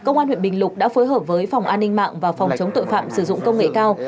công an huyện bình lục đã phối hợp với phòng an ninh mạng và phòng chống tội phạm sử dụng công nghệ cao